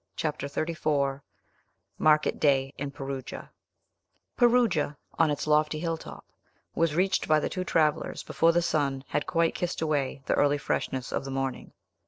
CHAPTER XXXIV MARKET DAY IN PERUGIA Perugia, on its lofty hilltop, was reached by the two travellers before the sun had quite kissed away the early freshness of the morning.